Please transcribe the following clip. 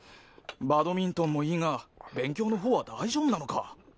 バドミントンもいいが勉強のほうは大丈夫なのか？